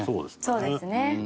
そうですね。